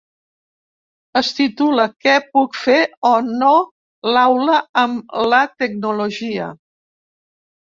Es titula “Què puc fer o no l’aula amb la tecnologia”.